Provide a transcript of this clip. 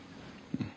うん。